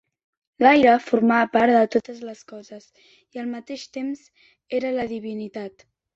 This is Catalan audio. L'aire formava part de totes les coses, i al mateix temps era la divinitat.